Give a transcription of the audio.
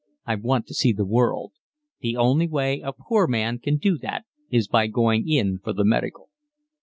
I want to see the world. The only way a poor man can do that is by going in for the medical."